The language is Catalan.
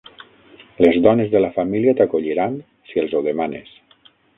Les dones de la família t'acolliran, si els ho demanes.